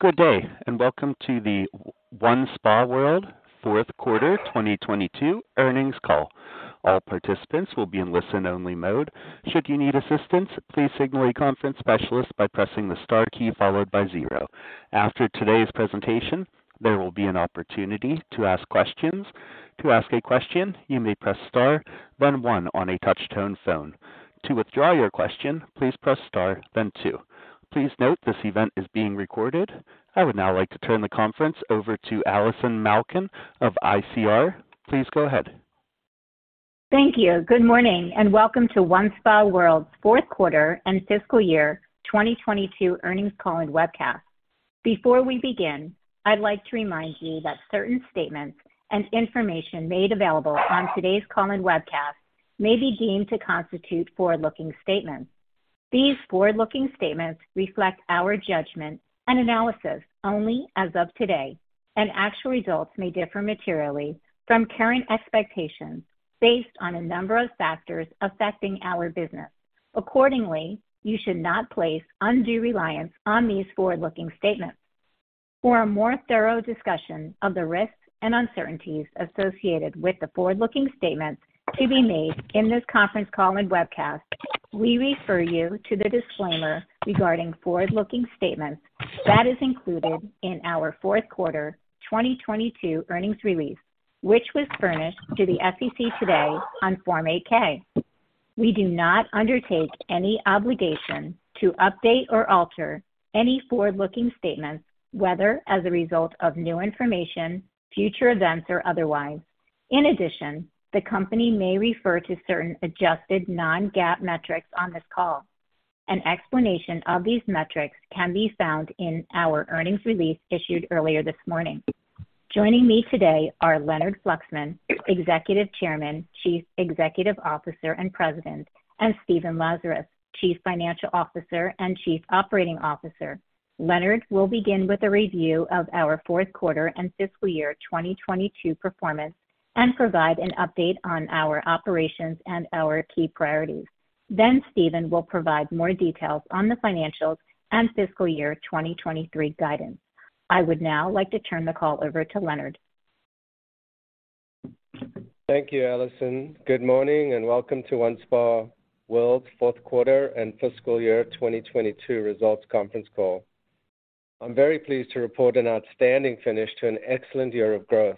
Good day. Welcome to the OneSpaWorld Q4 2022 earnings call. All participants will be in listen-only mode. Should you need assistance, please signal a conference specialist by pressing the Star key followed by 0. After today's presentation, there will be an opportunity to ask questions. To ask a question, you may press Star then 1 on a touch-tone phone. To withdraw your question, please press Star then 2. Please note this event is being recorded. I would now like to turn the conference over to Allison Malkin of ICR. Please go ahead. Thank you. Good morning, welcome to OneSpaWorld's Q4 and fiscal year 2022 earnings call and webcast. Before we begin, I'd like to remind you that certain statements and information made available on today's call and webcast may be deemed to constitute forward-looking statements. These forward-looking statements reflect our judgment and analysis only as of today, and actual results may differ materially from current expectations based on a number of factors affecting our business. Accordingly, you should not place undue reliance on these forward-looking statements. For a more thorough discussion of the risks and uncertainties associated with the forward-looking statements to be made in this conference call and webcast, we refer you to the disclaimer regarding forward-looking statements that is included in our Q4 2022 earnings release, which was furnished to the SEC today on Form 8-K. We do not undertake any obligation to update or alter any forward-looking statements, whether as a result of new information, future events, or otherwise. The company may refer to certain adjusted non-GAAP metrics on this call. An explanation of these metrics can be found in our earnings release issued earlier this morning. Joining me today are Leonard Fluxman, Executive Chairman, Chief Executive Officer, and President, and Stephen Lazarus, Chief Financial Officer and Chief Operating Officer. Leonard will begin with a review of our Q4 and fiscal year 2022 performance and provide an update on our operations and our key priorities. Steven will provide more details on the financials and fiscal year 2023 guidance. I would now like to turn the call over to Leonard. Thank you, Alison. Good morning and welcome to OneSpaWorld's Q4 and fiscal year 2022 results conference call. I'm very pleased to report an outstanding finish to an excellent year of growth.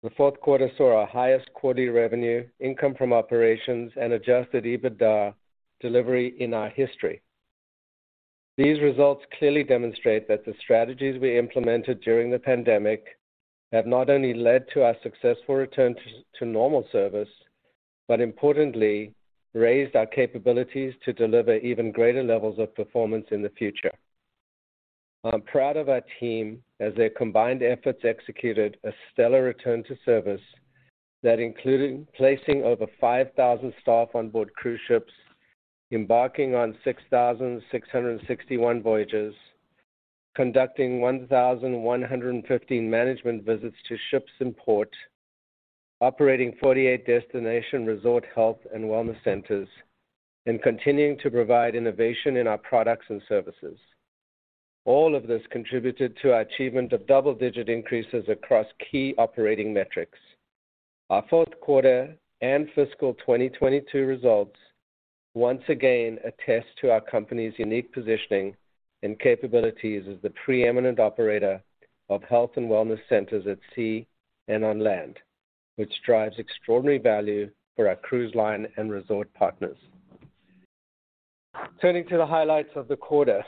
The Q4 saw our highest quarterly revenue, income from operations, and adjusted EBITDA delivery in our history. These results clearly demonstrate that the strategies we implemented during the pandemic have not only led to our successful return to normal service, but importantly raised our capabilities to deliver even greater levels of performance in the future. I'm proud of our team as their combined efforts executed a stellar return to service that including placing over 5,000 staff on board cruise ships, embarking on 6,661 voyages, conducting 1,115 management visits to ships in port, operating 48 destination resort health and wellness centers, and continuing to provide innovation in our products and services. All of this contributed to our achievement of double-digit increases across key operating metrics. Our Q4 and fiscal 2022 results once again attest to our company's unique positioning and capabilities as the preeminent operator of health and wellness centers at sea and on land, which drives extraordinary value for our cruise line and resort partners. Turning to the highlights of the quarter.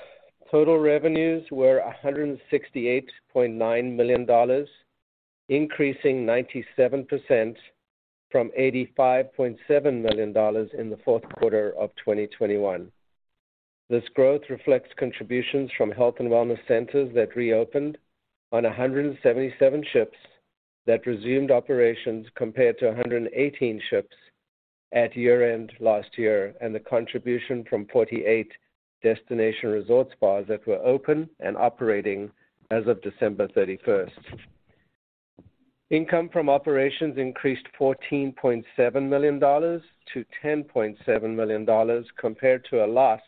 Total revenues were $168.9 million, increasing 97% from $85.7 million in the Q4 of 2021. This growth reflects contributions from health and wellness centers that reopened on 177 ships that resumed operations compared to 118 ships at year-end last year, and the contribution from 48 destination resort spas that were open and operating as of December 31st. Income from operations increased $14.7 million to $10.7 million compared to a loss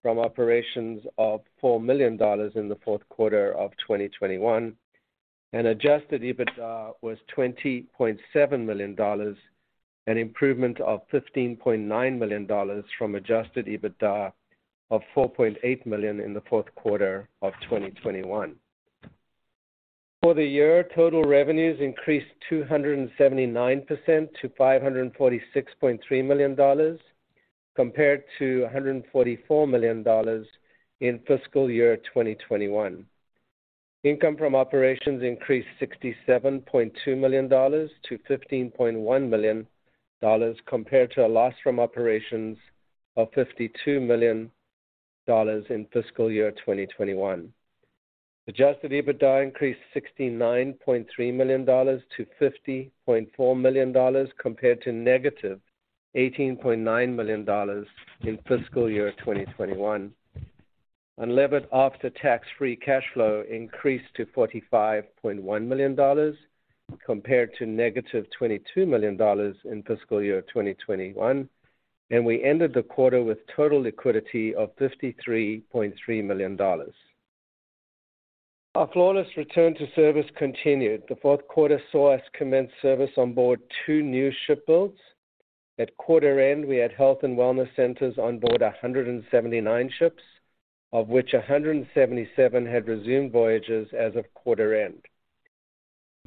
from operations of $4 million in the Q4 of 2021. adjusted ebitda was $20.7 million, an improvement of $15.9 million from adjusted ebitda of $4.8 million in the Q4 of 2021. For the year, total revenues increased 279% to $546.3 million compared to $144 million in fiscal year 2021. Income from operations increased $67.2 million to $15.1 million compared to a loss from operations of $52 million in fiscal year 2021. adjusted EBITDA increased $69.3 million to $50.4 million compared to negative $18.9 million in fiscal year 2021. Unlevered after-tax free cash flow increased to $45.1 million. Compared to negative $22 million in fiscal year 2021, we ended the quarter with total liquidity of $53.3 million. Our flawless return to service continued. The Q4 saw us commence service on board two new ship builds. At quarter end, we had health and wellness centers on board 179 ships, of which 177 had resumed voyages as of quarter end.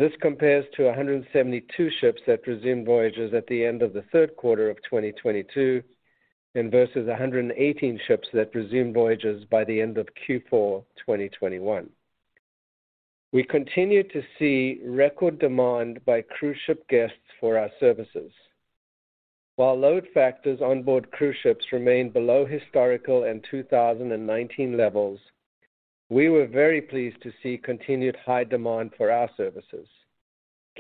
This compares to 172 ships that resumed voyages at the end of the Q3 of 2022 and versus 118 ships that resumed voyages by the end of Q4 2021. We continued to see record demand by cruise ship guests for our services. While load factors on board cruise ships remained below historical and 2019 levels, we were very pleased to see continued high demand for our services.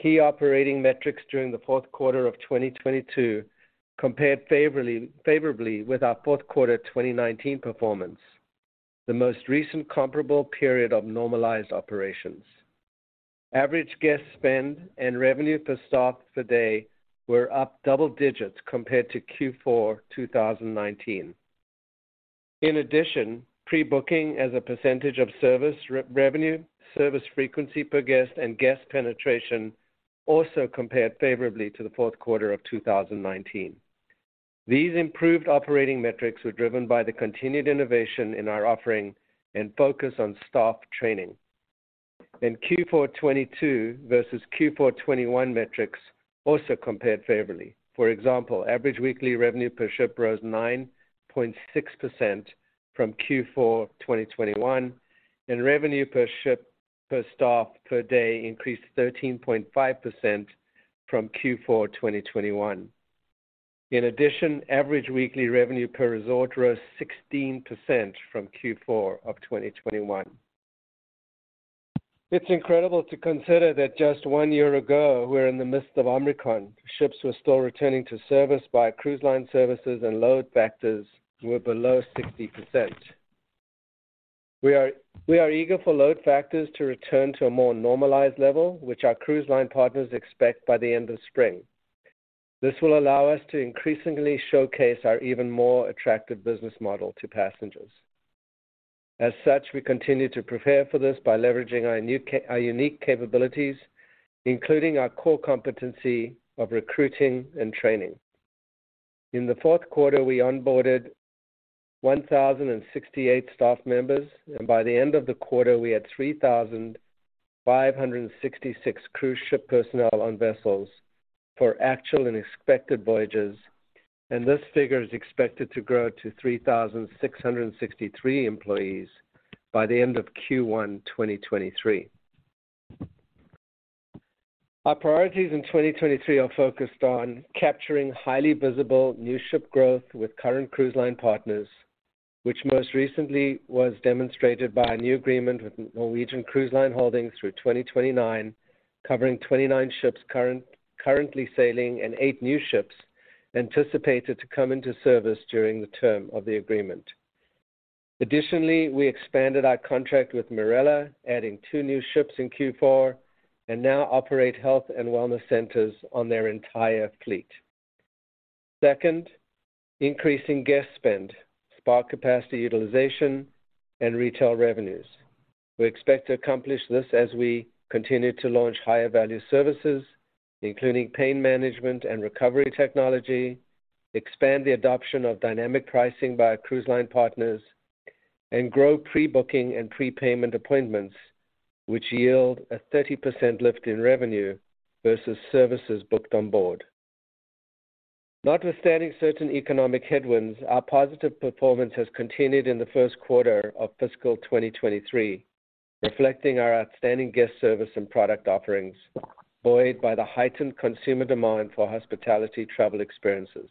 Key operating metrics during the Q4 of 2022 compared favorably with our Q4 2019 performance, the most recent comparable period of normalized operations. Average guest spend and revenue per staff per day were up double digits compared to Q4 2019. In addition, pre-booking as a percentage of service re-revenue, service frequency per guest and guest penetration also compared favorably to the Q4 of 2019. These improved operating metrics were driven by the continued innovation in our offering and focus on staff training. In Q4 2022 versus Q4 2021 metrics also compared favorably. For example, average weekly revenue per ship rose 9.6% from Q4 2021, and revenue per ship per staff per day increased 13.5% from Q4 2021. In addition, average weekly revenue per resort rose 16% from Q4 of 2021. It's incredible to consider that just one year ago, we were in the midst of Omicron. Ships were still returning to service by cruise line services, and load factors were below 60%. We are eager for load factors to return to a more normalized level, which our cruise line partners expect by the end of spring. This will allow us to increasingly showcase our even more attractive business model to passengers. As such, we continue to prepare for this by leveraging our unique capabilities, including our core competency of recruiting and training. In the Q4, we onboarded 1,068 staff members, and by the end of the quarter, we had 3,566 cruise ship personnel on vessels for actual and expected voyages. This figure is expected to grow to 3,663 employees by the end of Q1 2023. Our priorities in 2023 are focused on capturing highly visible new ship growth with current cruise line partners, which most recently was demonstrated by a new agreement with Norwegian Cruise Line Holdings through 2029, covering 29 ships currently sailing and eight new ships anticipated to come into service during the term of the agreement. Additionally, we expanded our contract with Marella, adding two new ships in Q4, and now operate health and wellness centers on their entire fleet. Second, increasing guest spend, spa capacity utilization, and retail revenues. We expect to accomplish this as we continue to launch higher value services, including pain management and recovery technology, expand the adoption of dynamic pricing by our cruise line partners, and grow pre-booking and prepayment appointments, which yield a 30% lift in revenue versus services booked on board. Notwithstanding certain economic headwinds, our positive performance has continued in the first quarter of fiscal 2023, reflecting our outstanding guest service and product offerings, buoyed by the heightened consumer demand for hospitality travel experiences.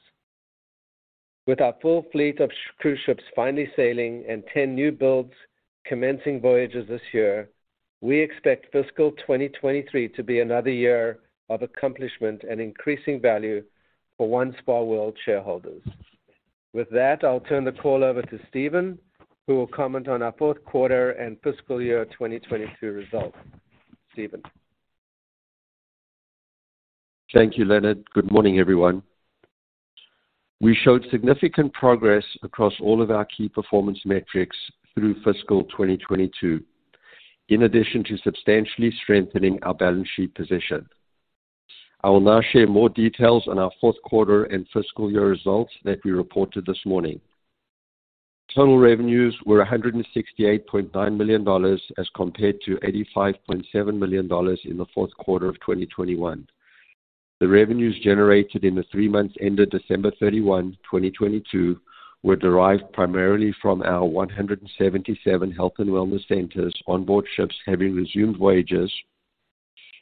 With our full fleet of cruise ships finally sailing and 10 new builds commencing voyages this year, we expect fiscal 2023 to be another year of accomplishment and increasing value for OneSpaWorld shareholders. With that, I'll turn the call over to Stephen, who will comment on our Q4 and fiscal year 2022 results. Stephen? Thank you, Leonard. Good morning, everyone. We showed significant progress across all of our key performance metrics through fiscal 2022, in addition to substantially strengthening our balance sheet position. I will now share more details on our Q4 and fiscal year results that we reported this morning. Total revenues were $168.9 million as compared to $85.7 million in the Q4 of 2021. The revenues generated in the three months ended December 31, 2022 were derived primarily from our 177 health and wellness centers on board ships having resumed voyages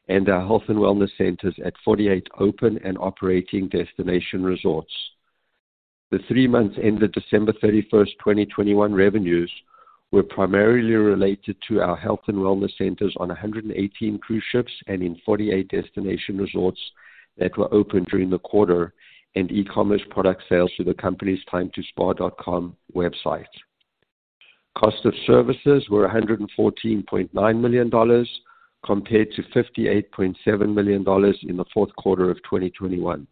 and our health and wellness centers at 48 open and operating destination resorts. The three months ended December 31st, 2021 revenues were primarily related to our health and wellness centers on 118 cruise ships and in 48 destination resorts that were open during the quarter and e-commerce product sales through the company's TimeToSpa.com website. Cost of services were $114.9 million compared to $58.7 million in the Q4 of 2021.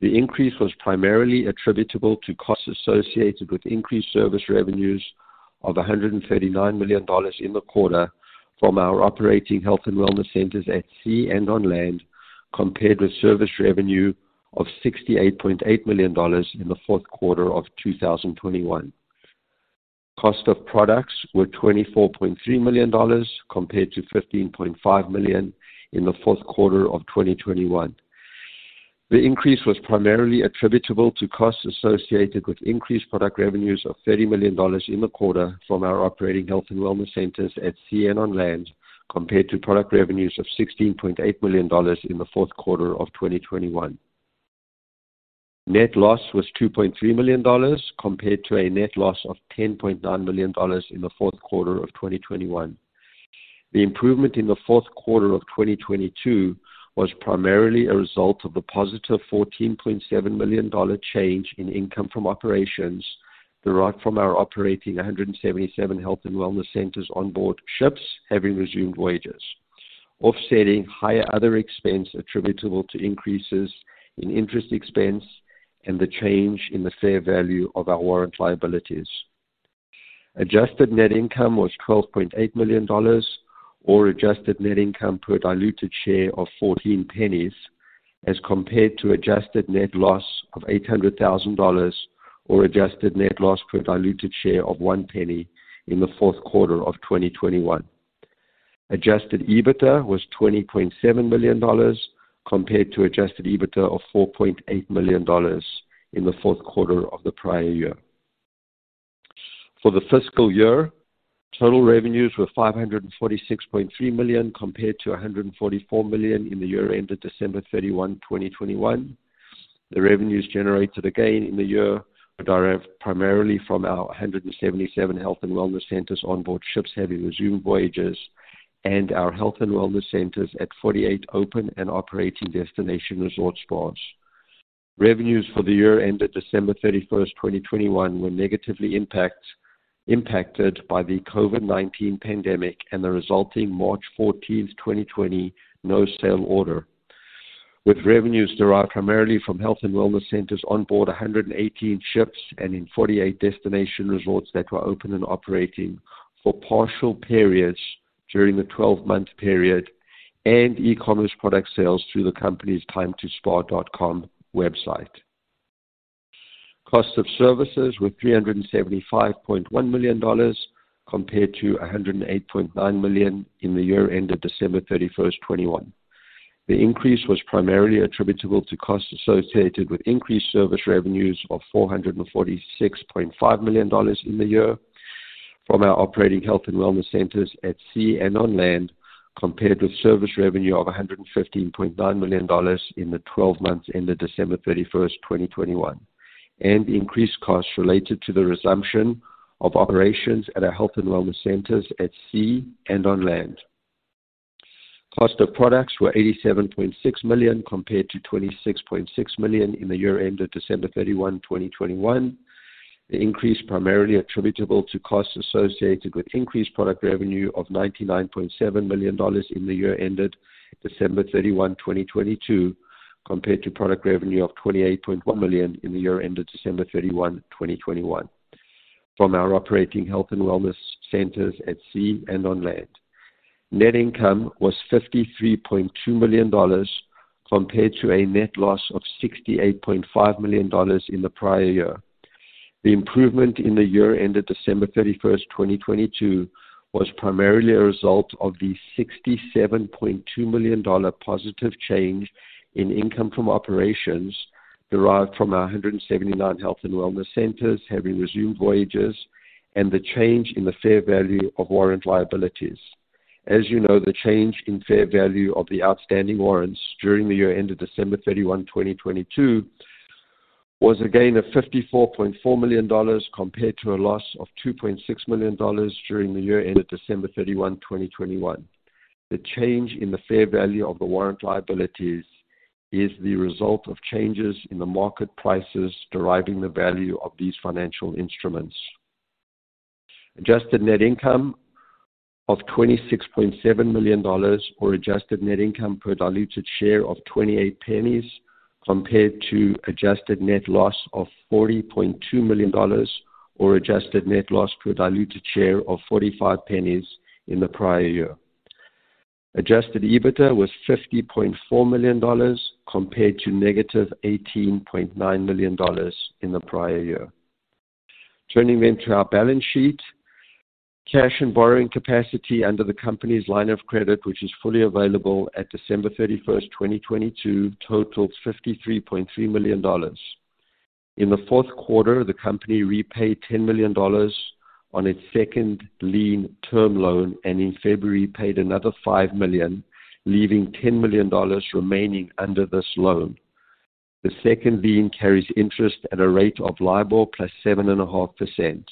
The increase was primarily attributable to costs associated with increased service revenues of $139 million in the quarter from our operating health and wellness centers at sea and on land, compared with service revenue of $68.8 million in the Q4 of 2021. cost of products were $24.3 million compared to $15.5 million in the Q4 of 2021. The increase was primarily attributable to costs associated with increased product revenues of $30 million in the quarter from our operating health and wellness centers at sea and on land, compared to product revenues of $16.8 million in the Q4 of 2021. Net loss was $2.3 million compared to a net loss of $10.9 million in the Q4 of 2021. The improvement in the Q4 of 2022 was primarily a result of the positive $14.7 million change in income from operations derived from our operating 177 health and wellness centers on board ships having resumed voyages, offsetting higher other expense attributable to increases in interest expense and the change in the fair value of our warrant liabilities. Adjusted net income was $12.8 million or adjusted net income per diluted share of $0.14 as compared to adjusted net loss of $800,000 or adjusted net loss per diluted share of $0.01 in the Q4 of 2021. Adjusted EBITDA was $20.7 million compared to adjusted EBITDA of $4.8 million in the Q4 of the prior year. For the fiscal year, total revenues were $546.3 million compared to $144 million in the year ended December 31, 2021. The revenues generated again in the year were derived primarily from our 177 health and wellness centers on board ships having resumed voyages and our health and wellness centers at 48 open and operating destination resort spas. Revenues for the year ended December 31st, 2021 were negatively impacted by the COVID-19 pandemic and the resulting March 14th, 2020 No Sail Order, with revenues derived primarily from health and wellness centers on board 118 ships and in 48 destination resorts that were open and operating for partial periods during the 12-month period and e-commerce product sales through the company's TimeToSpa.com website. Cost of services were $375.1 million compared to $108.9 million in the year ended December 31st, 2021. The increase was primarily attributable to costs associated with increased service revenues of $446.5 million in the year from our operating health and wellness centers at sea and on land, compared with service revenue of $115.9 million in the 12 months ended December 31, 2021. Increased costs related to the resumption of operations at our health and wellness centers at sea and on land. Cost of products were $87.6 million compared to $26.6 million in the year ended December 31, 2021. The increase primarily attributable to costs associated with increased product revenue of $99.7 million in the year ended December 31, 2022, compared to product revenue of $28.1 million in the year ended December 31, 2021 from our operating health and wellness centers at sea and on land. Net income was $53.2 million compared to a net loss of $68.5 million in the prior year. The improvement in the year ended December 31st, 2022, was primarily a result of the $67.2 million positive change in income from operations derived from our 179 health and wellness centers having resumed voyages and the change in the fair value of warrant liabilities. As you know, the change in fair value of the outstanding warrants during the year ended December 31, 2022, was a gain of $54.4 million compared to a loss of $2.6 million during the year ended December 31, 2021. The change in the fair value of the warrant liabilities is the result of changes in the market prices deriving the value of these financial instruments. Adjusted net income of $26.7 million or adjusted net income per diluted share of $0.28 compared to adjusted net loss of $40.2 million or adjusted net loss per diluted share of $0.45 in the prior year. Adjusted EBITDA was $50.4 million compared to negative $18.9 million in the prior year. Turning then to our balance sheet. Cash and borrowing capacity under the company's line of credit, which is fully available at December 31st, 2022, totals $53.3 million. In the Q4, the company repaid $10 million on its second lien term loan, and in February paid another $5 million, leaving $10 million remaining under this loan. The second lien carries interest at a rate of LIBOR plus 7.5%.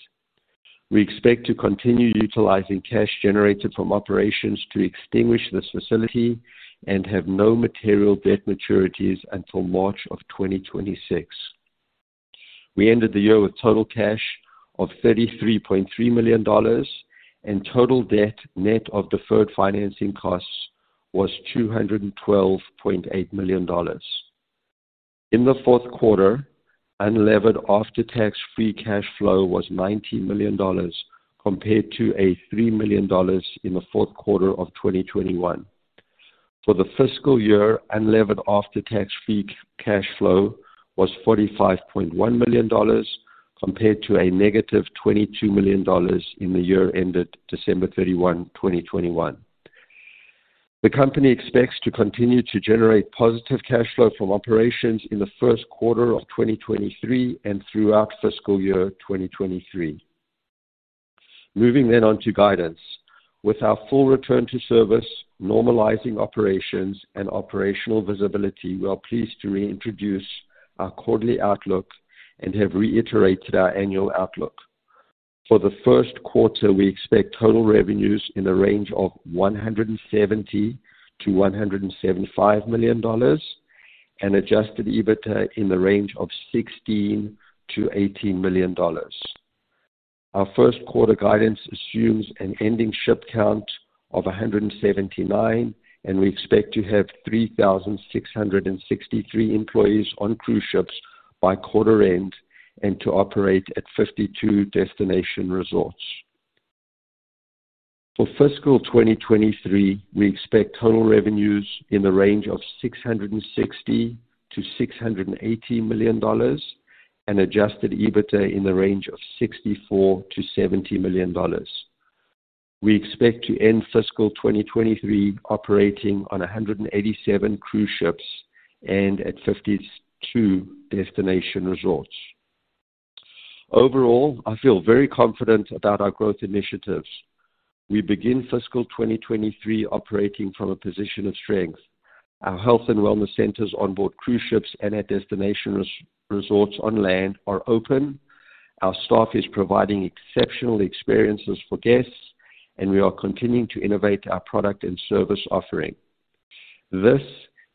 We expect to continue utilizing cash generated from operations to extinguish this facility and have no material debt maturities until March of 2026. We ended the year with total cash of $33.3 million and total debt net of deferred financing costs was $212.8 million. In the Q4, unlevered after-tax free cash flow was $90 million compared to $3 million in the Q4 of 2021. For the fiscal year, unlevered after-tax fee cash flow was $45.1 million compared to a negative $22 million in the year ended December 31, 2021. The company expects to continue to generate positive cash flow from operations in the first quarter of 2023 and throughout fiscal year 2023. Moving on to guidance. With our full return to service, normalizing operations, and operational visibility, we are pleased to reintroduce our quarterly outlook and have reiterated our annual outlook. For the first quarter, we expect total revenues in the range of $170 million-$175 million and adjusted EBITDA in the range of $16 million-$18 million. Our first quarter guidance assumes an ending ship count of 179. We expect to have 3,663 employees on cruise ships by quarter end and to operate at 52 destination resorts. For fiscal 2023, we expect total revenues in the range of $660 million-$680 million and adjusted EBITDA in the range of $64 million-$70 million. We expect to end fiscal 2023 operating on 187 cruise ships and at 52 destination resorts. Overall, I feel very confident about our growth initiatives. We begin fiscal 2023 operating from a position of strength. Our health and wellness centers on board cruise ships and at destination resorts on land are open. Our staff is providing exceptional experiences for guests. We are continuing to innovate our product and service offering. This,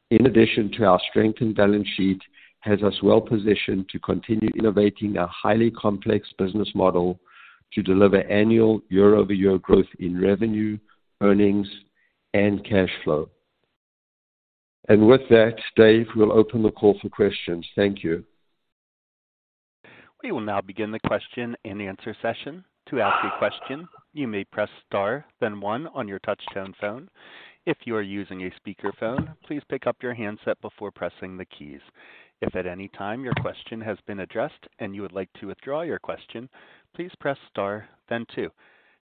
in addition to our strengthened balance sheet, has us well-positioned to continue innovating our highly complex business model to deliver annual year-over-year growth in revenue, earnings, and cash flow. With that, Dave will open the call for questions. Thank you. We will now begin the question and answer session. To ask a question, you may press star, then one on your touchtone phone. If you are using a speakerphone, please pick up your handset before pressing the keys. If at any time your question has been addressed and you would like to withdraw your question, please press star, then two.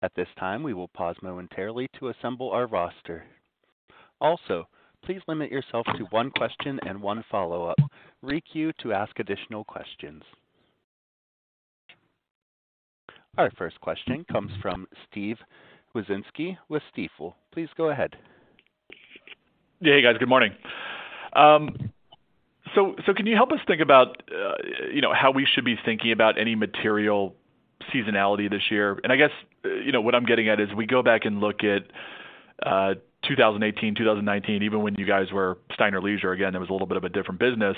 At this time, we will pause momentarily to assemble our roster. Please limit yourself to one question and one follow-up. Re-queue to ask additional questions. Our first question comes from Steven Wieczynski with Stifel. Please go ahead. Yeah, hey, guys. Good morning. Can you help us think about, you know, how we should be thinking about any material seasonality this year? I guess, you know, what I'm getting at is we go back and look at 2018, 2019, even when you guys were Steiner Leisure. Again, it was a little bit of a different business.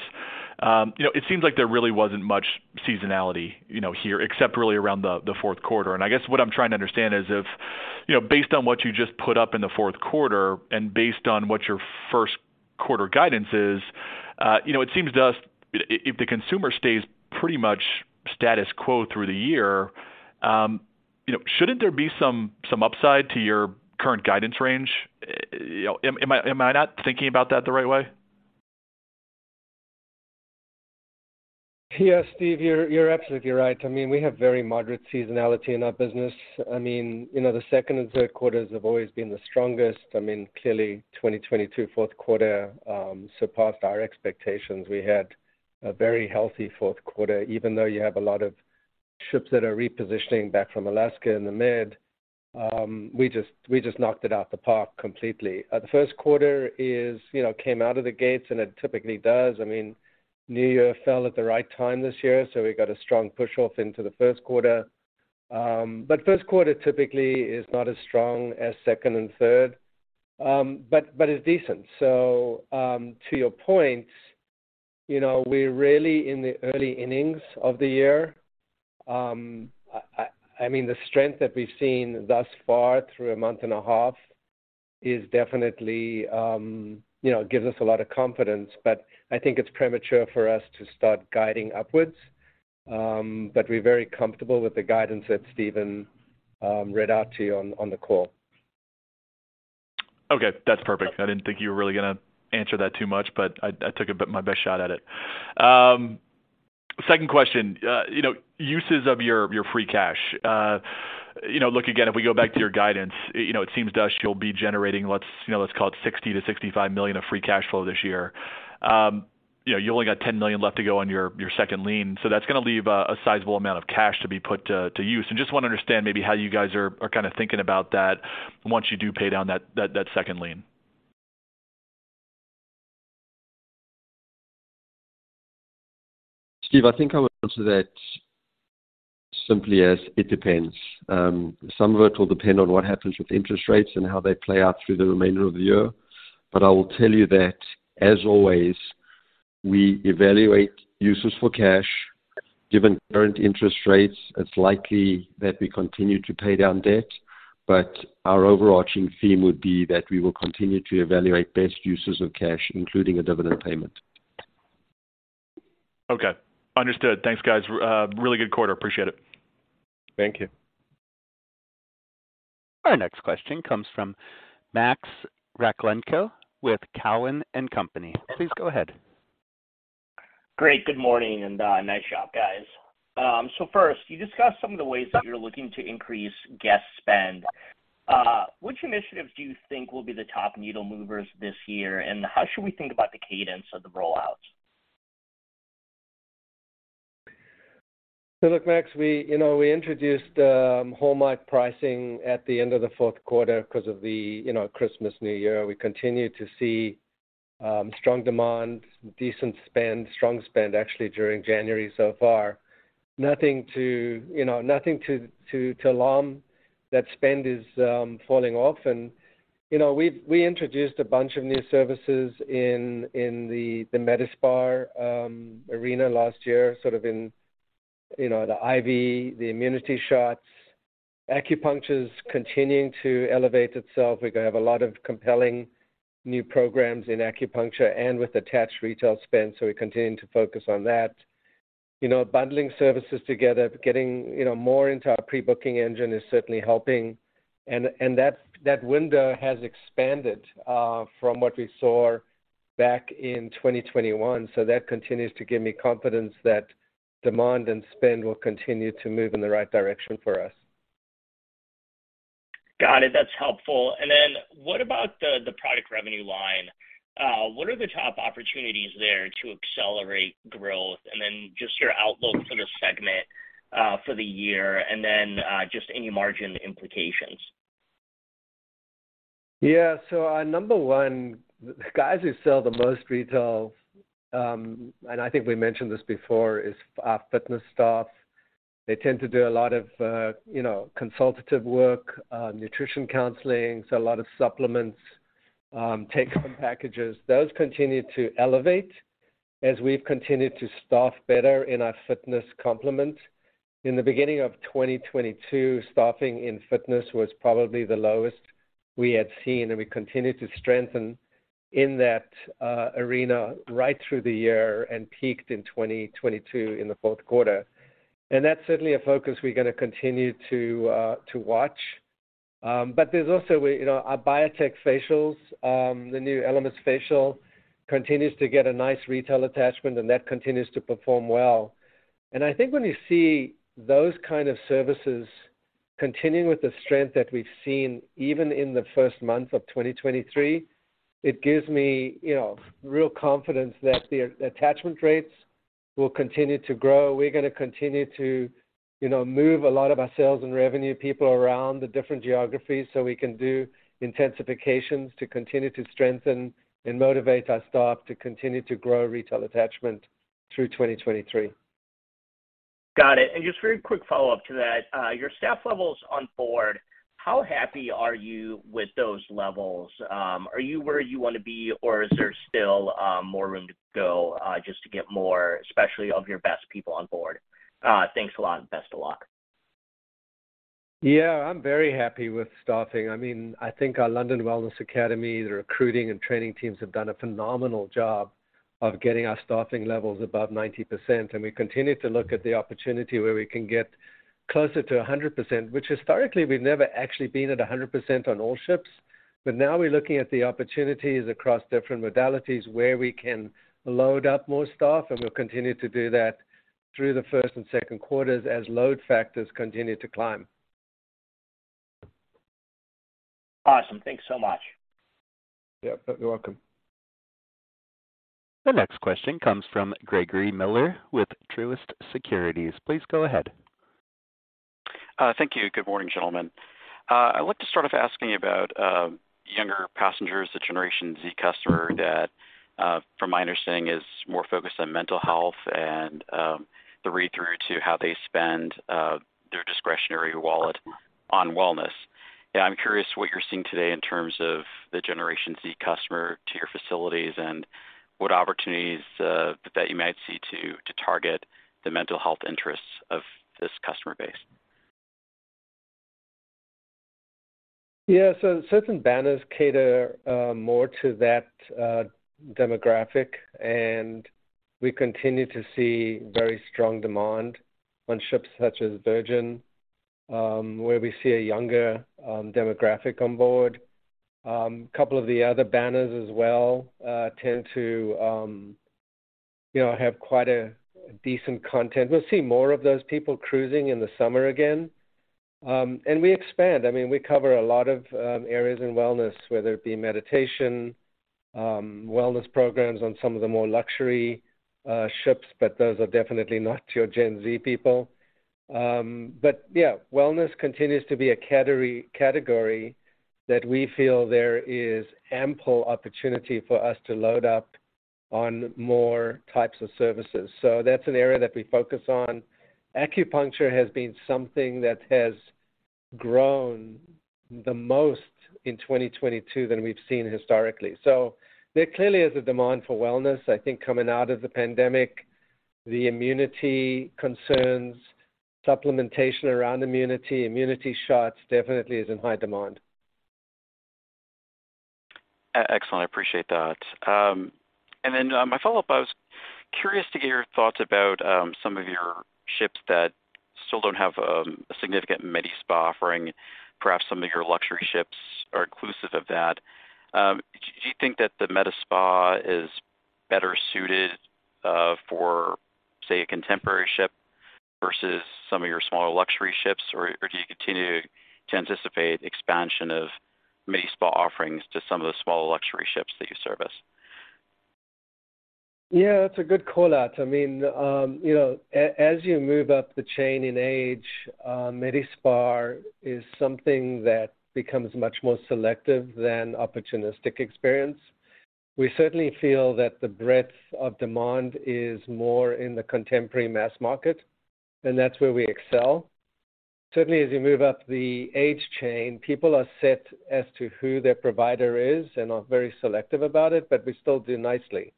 You know, it seems like there really wasn't much seasonality, you know, here, except really around the Q4. I guess what I'm trying to understand is if, you know, based on what you just put up in the Q4 and based on what your first quarter guidance is, you know, it seems to us if the consumer stays pretty much status quo through the year, you know, shouldn't there be some upside to your current guidance range? You know, am I not thinking about that the right way? Yeah, Steve, you're absolutely right. We have very moderate seasonality in our business. The second and Q3s have always been the strongest. Clearly 2022, Q4, surpassed our expectations. We had a very healthy Q4. Even though you have a lot of ships that are repositioning back from Alaska in the mid, we just knocked it out the park completely. The first quarter is, you know, came out of the gates, and it typically does. New Year fell at the right time this year, so we got a strong push-off into the first quarter. First quarter typically is not as strong as second and third, but it's decent. To your point, you know, we're really in the early innings of the year. The strength that we've seen thus far through a month and a half is definitely gives us a lot of confidence. I think it's premature for us to start guiding upwards. We're very comfortable with the guidance that Stephen read out to you on the call. Okay, that's perfect. I didn't think you were really gonna answer that too much, but I took my best shot at it. Second question, uses of your free cash look, again, if we go back to your guidance it seems to us you'll be generating, let's let's call it $60 million-$65 million of free cash flow this year, you only got $10 million left to go on your second lien, that's gonna leave a sizable amount of cash to be put to use. Just wanna understand maybe how you guys are kinda thinking about that once you do pay down that second lien. Steve, I think I would answer that. Simply as it depends. Some of it will depend on what happens with interest rates and how they play out through the remainder of the year. I will tell you that, as always, we evaluate useful cash. Given current interest rates, it's likely that we continue to pay down debt, but our overarching theme would be that we will continue to evaluate best uses of cash, including a dividend payment. Okay. Understood. Thanks, guys. Really good quarter. Appreciate it. Thank you. Our next question comes from Maksim Rakhlenko with Cowen and Company. Please go ahead. Great. Good morning, and nice job, guys. First, you discussed some of the ways that you're looking to increase guest spend. Which initiatives do you think will be the top needle movers this year, and how should we think about the cadence of the rollouts? Look, Max, we introduced home light pricing at the end of the Q4, 'cause of the Christmas, New Year. We continued to see strong demand, decent spend, strong spend, actually, during January so far. Nothing to nothing to alarm that spend is falling off. We introduced a bunch of new services in the Medi-Spa arena last year, sort of in the IV, the immunity shots. Acupuncture's continuing to elevate itself. We're gonna have a lot of compelling new programs in acupuncture and with attached retail spend, so we're continuing to focus on that. Bundling services together, getting, you know, more into our pre-booking engine is certainly helping. That window has expanded from what we saw back in 2021. That continues to give me confidence that demand and spend will continue to move in the right direction for us. Got it. That's helpful. What about the product revenue line? What are the top opportunities there to accelerate growth? Just your outlook for the segment, for the year, just any margin implications. Number 1, the guys who sell the most retail, and I think we mentioned this before, is our fitness staff. They tend to do a lot of, you know, consultative work, nutrition counseling, so a lot of supplements, take-home packages. Those continue to elevate as we've continued to staff better in our fitness complement. In the beginning of 2022, staffing in fitness was probably the lowest we had seen, and we continued to strengthen in that arena right through the year and peaked in 2022 in the Q4. That's certainly a focus we're gonna continue to watch. There's also, you know, our BIOTEC facials, the new Elements facial continues to get a nice retail attachment, and that continues to perform well. I think when you see those kind of services continuing with the strength that we've seen, even in the first month of 2023, it gives me real confidence that the attachment rates will continue to grow. We're gonna continue to move a lot of our sales and revenue people around the different geographies so we can do intensifications to continue to strengthen and motivate our staff to continue to grow retail attachment through 2023. Got it. Just very quick follow-up to that. Your staff levels on board, how happy are you with those levels? Are you where you wanna be, or is there still more room to go, just to get more, especially of your best people on board? Thanks a lot, and best of luck. Yeah. I'm very happy with staffing. I mean, I think our London Wellness Academy, the recruiting and training teams have done a phenomenal job of getting our staffing levels above 90%, and we continue to look at the opportunity where we can get closer to 100%, which historically we've never actually been at 100% on all ships. Now we're looking at the opportunities across different modalities where we can load up more staff. We'll continue to do that through the first and second quarters as load factors continue to climb. Awesome. Thanks so much. Yeah. You're welcome. The next question comes from Gregory Miller with Truist Securities. Please go ahead. Thank you. Good morning, gentlemen. I'd like to start off asking about younger passengers, the Generation Z customer that from my understanding is more focused on mental health and the read-through to how they spend their discretionary wallet on wellness. Yeah, I'm curious what you're seeing today in terms of the Generation Z customer to your facilities and what opportunities that you might see to target the mental health interests of this customer base. Certain banners cater more to that demographic, and we continue to see very strong demand on ships such as Virgin, where we see a younger demographic on board. A couple of the other banners as well, you know, tend to have quite a decent content. We'll see more of those people cruising in the summer again. We expand. I mean, we cover a lot of areas in wellness, whether it be meditation, wellness programs on some of the more luxury ships, but those are definitely not your Gen Z people. Yeah, wellness continues to be a cater-category that we feel there is ample opportunity for us to load up on more types of services. That's an area that we focus on. Acupuncture has been something that has grown the most in 2022 than we've seen historically. There clearly is a demand for wellness. I think coming out of the pandemic, the immunity concerns, supplementation around immunity shots definitely is in high demand. Excellent. I appreciate that. My follow-up, I was curious to get your thoughts about some of your ships that still don't have a significant Medi-Spa offering. Perhaps some of your luxury ships are inclusive of that. Do you think that the Medi-Spa is better suited for, say, a contemporary ship versus some of your smaller luxury ships? Do you continue to anticipate expansion of Medi-Spa offerings to some of the smaller luxury ships that you service? Yeah, that's a good call-out. I mean, you know, as you move up the chain in age, Medi-Spa is something that becomes much more selective than opportunistic experience. We certainly feel that the breadth of demand is more in the contemporary mass market, and that's where we excel. Certainly, as you move up the age chain, people are set as to who their provider is and are very selective about it, but we still do nicely.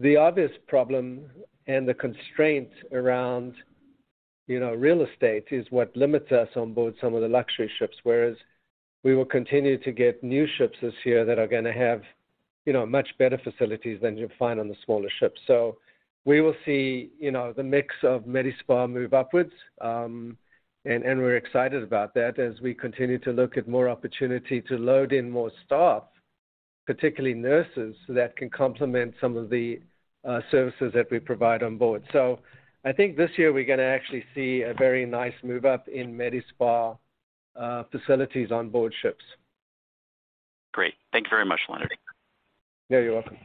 The obvious problem and the constraint around, you know, real estate is what limits us on board some of the luxury ships. Whereas we will continue to get new ships this year that are gonna have, you know, much better facilities than you'll find on the smaller ships. We will see the mix of Medi-Spa move upwards, and we're excited about that as we continue to look at more opportunity to load in more staff, particularly nurses, so that can complement some of the services that we provide on board. I think this year we're gonna actually see a very nice move up in Medi-Spa facilities on board ships. Great. Thank you very much, Leonard. Yeah, you're welcome.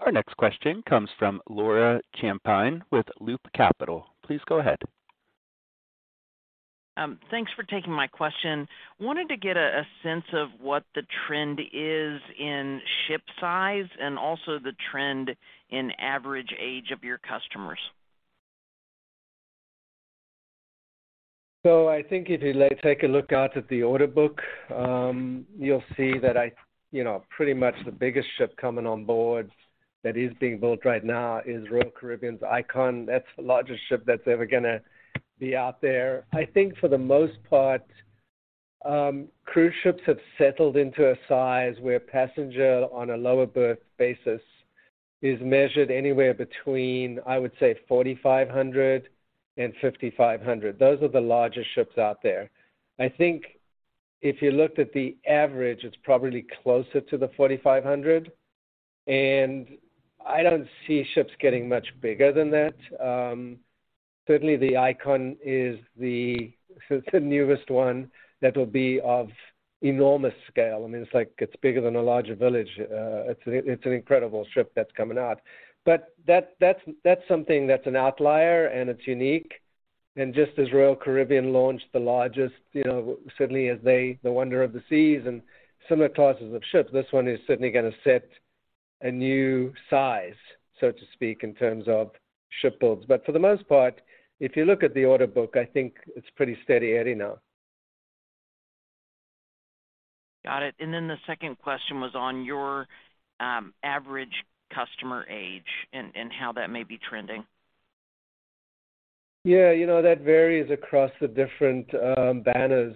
Our next question comes from Laura Champine with Loop Capital. Please go ahead. Thanks for taking my question. Wanted to get a sense of what the trend is in ship size and also the trend in average age of your customers. I think if you take a look out at the order book, you'll see that Pretty much the biggest ship coming on board that is being built right now is Royal Caribbean's Icon. That's the largest ship that's ever gonna be out there. I think for the most part, cruise ships have settled into a size where passenger on a lower berth basis is measured anywhere between, I would say, 4,500 and 5,500. Those are the largest ships out there. If you looked at the average, it's probably closer to the 4,500. I don't see ships getting much bigger than that. Certainly the Icon so it's the newest one that will be of enormous scale, it's like it's bigger than a larger village. It's an incredible ship that's coming out. That's something that's an outlier, and it's unique. Just as Royal Caribbean launched the largest, you know, certainly the Wonder of the Seas and similar classes of ships, this one is certainly gonna set a new size, so to speak, in terms of ship builds. For the most part, if you look at the order book, I think it's pretty steady Eddie now. Got it. Then the second question was on your average customer age and how that may be trending. Yeah that varies across the different, banners.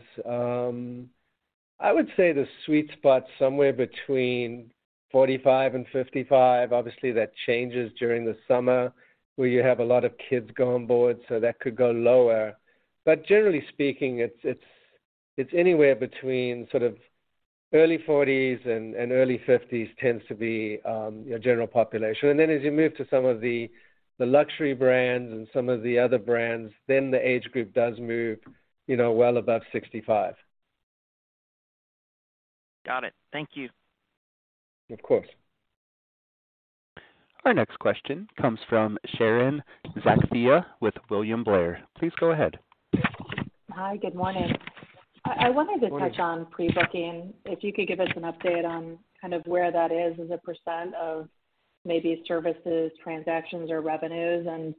I would say the sweet spot's somewhere between 45 and 55. Obviously, that changes during the summer, where you have a lot of kids go on board, so that could go lower. Generally speaking, it's anywhere between sort of early 40s and early 50s tends to be your general population. As you move to some of the luxury brands and some of the other brands, then the age group does move, you know, well above 65. Got it. Thank you. Of course. Our next question comes from Sharon Zackfia with William Blair. Please go ahead. Hi. Good morning. Morning. I wanted to touch on pre-booking, if you could give us an update on kind of where that is as a % of maybe services, transactions, or revenues, and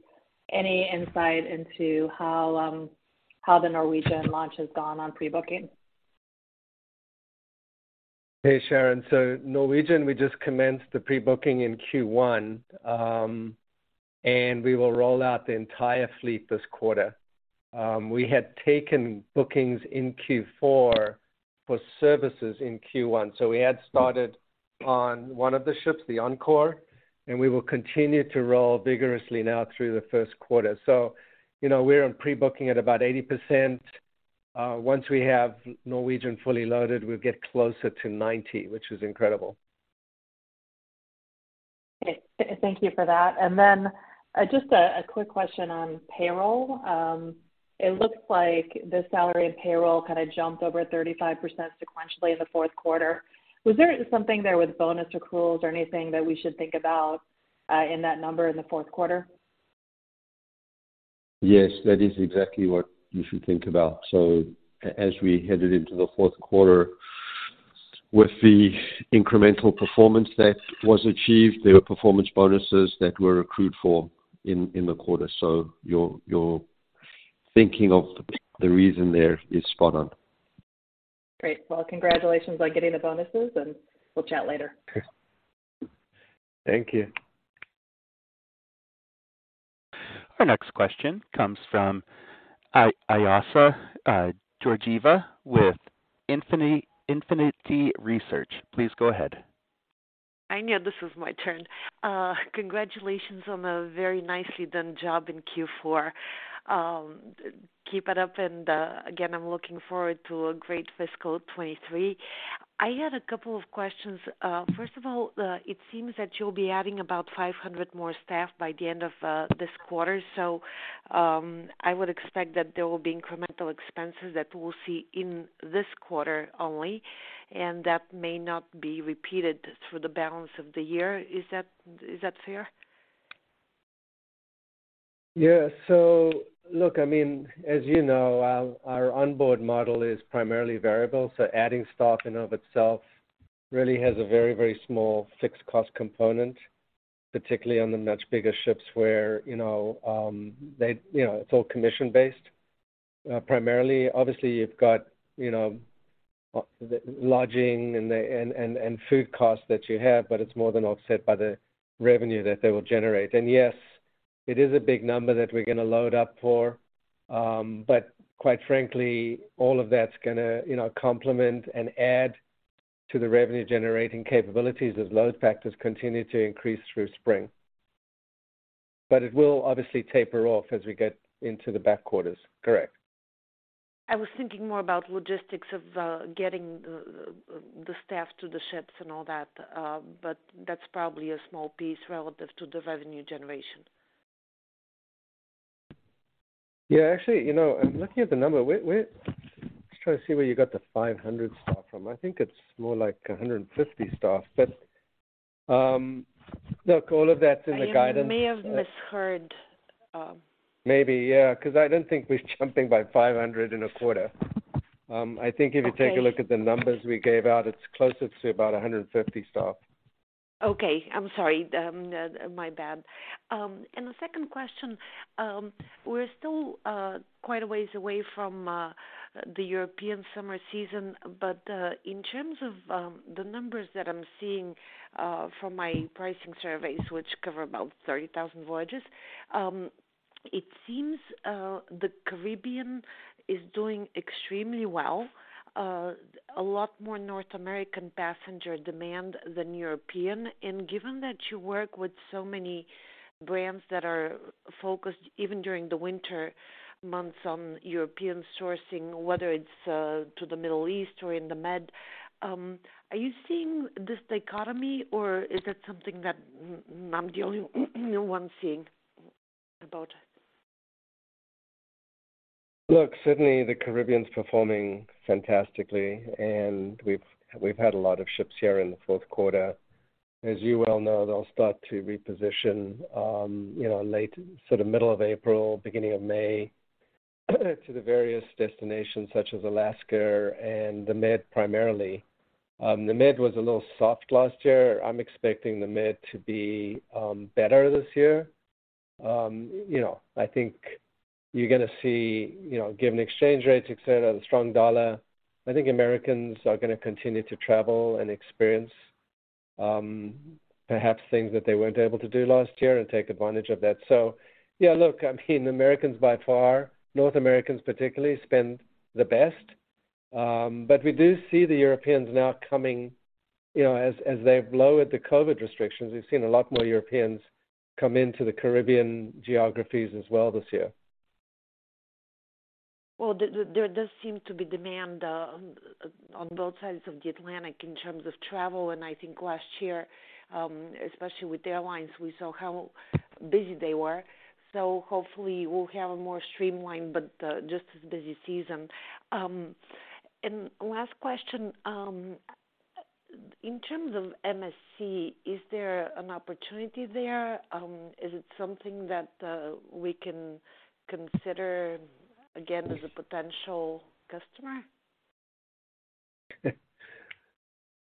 any insight into how the Norwegian launch has gone on pre-booking? Hey, Sharon. Norwegian, we just commenced the pre-booking in Q1, we will roll out the entire fleet this quarter. We had taken bookings in Q4 for services in Q1. We had started on one of the ships, the Encore, we will continue to roll vigorously now through the first quarter. We're on pre-booking at about 80%. Once we have Norwegian fully loaded, we'll get closer to 90%, which is incredible. Okay. Thank you for that. Then, just a quick question on payroll. It looks like the salary and payroll kinda jumped over 35% sequentially in the Q4. Was there something there with bonus accruals or anything that we should think about in that number in the Q4? Yes, that is exactly what you should think about. As we headed into the Q4 with the incremental performance that was achieved, there were performance bonuses that were accrued for in the quarter. Your thinking of the reason there is spot on. Great. Well, congratulations on getting the bonuses, and we'll chat later. Okay. Thank you. Our next question comes from Assia Georgieva with Infinity Research. Please go ahead. I knew this was my turn. Congratulations on a very nicely done job in Q4. Keep it up, again, I'm looking forward to a great fiscal 23. I had a couple of questions. First of all, it seems that you'll be adding about 500 more staff by the end of this quarter. I would expect that there will be incremental expenses that we'll see in this quarter only, and that may not be repeated through the balance of the year. Is that fair? Look, as you know, our onboard model is primarily variable, so adding staff in and of itself really has a very, very small fixed cost component, particularly on the much bigger ships where, you know, they, you know, it's all commission-based, primarily. Obviously, you've got lodging and food costs that you have, but it's more than offset by the revenue that they will generate. Yes, it is a big number that we're gonna load up for. Quite frankly, all of that's gonna, you know, complement and add to the revenue-generating capabilities as load factors continue to increase through spring. It will obviously taper off as we get into the back quarters. Correct. I was thinking more about logistics of getting the staff to the ships and all that. That's probably a small piece relative to the revenue generation. Yeah. Actually, I'm looking at the number. Just trying to see where you got the 500 staff from. I think it's more like 150 staff. Look, all of that's in the guidance. I may have misheard. Maybe, yeah, 'cause I don't think we're jumping by 500 in a quarter. I think if you take- Okay. A look at the numbers we gave out, it's closer to about 150 staff. Okay. I'm sorry. My bad. The second question, we're still quite a ways away from the European summer season, but in terms of the numbers that I'm seeing from my pricing surveys, which cover about 30,000 voyages, it seems the Caribbean is doing extremely well. A lot more North American passenger demand than European. Given that you work with so many brands that are focused, even during the winter months on European sourcing, whether it's to the Middle East or in the Med, are you seeing this dichotomy or is it something that I'm the only one seeing about? Look, certainly the Caribbean's performing fantastically and we've had a lot of ships here in the Q4. As you well know, they'll start to reposition, you know, late, sort of middle of April, beginning of May, to the various destinations such as Alaska and the Med primarily. The Med was a little soft last year. I'm expecting the Med to be better this year. You're gonna see, you know, given exchange rates, etc., the strong dollar, I think Americans are gonna continue to travel and experience, perhaps things that they weren't able to do last year and take advantage of that. Yeah, look, I mean, Americans by far, North Americans particularly, spend the best. We do see the Europeans now coming, you know, as they've lowered the COVID restrictions. We've seen a lot more Europeans come into the Caribbean geographies as well this year. Well, there does seem to be demand, on both sides of the Atlantic in terms of travel, and last year, especially with airlines, we saw how busy they were. Hopefully we'll have a more streamlined but, just as busy season. Last question, in terms of MSC, is there an opportunity there? Is it something that, we can consider again as a potential customer?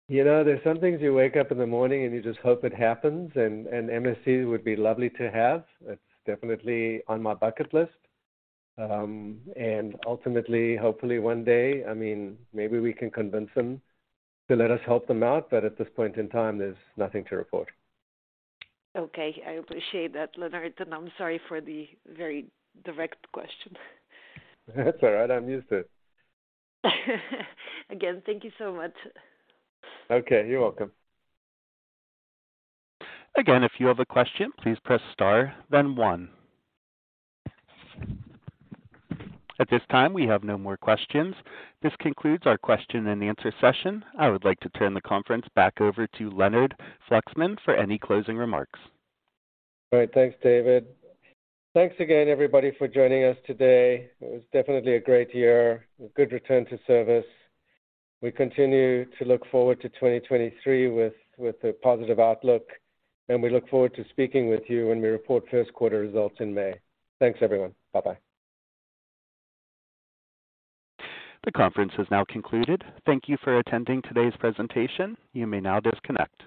There's some things you wake up in the morning and you just hope it happens, and MSC would be lovely to have. It's definitely on my bucket list. Ultimately, hopefully one day, I mean, maybe we can convince them to let us help them out, but at this point in time, there's nothing to report. Okay. I appreciate that, Leonard, and I'm sorry for the very direct question. That's all right. I'm used to it. Again, thank you so much. Okay. You're welcome. Again, if you have a question, please press star then one. At this time, we have no more questions. This concludes our question and answer session. I would like to turn the conference back over to Leonard Fluxman for any closing remarks. All right. Thanks, David. Thanks again, everybody, for joining us today. It was definitely a great year, a good return to service. We continue to look forward to 2023 with a positive outlook, and we look forward to speaking with you when we report first quarter results in May. Thanks, everyone. Bye-bye. The conference has now concluded. Thank you for attending today's presentation. You may now disconnect.